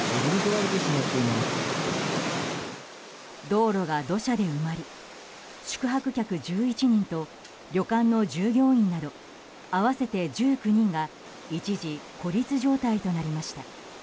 道路が土砂で埋まり宿泊客１１人と旅館の従業員など合わせて１９人が一時、孤立状態となりました。